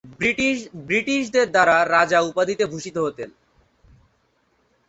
ব্রিটিশদের দ্বারা তারা রাজা উপাধিতে ভূষিত হতেন।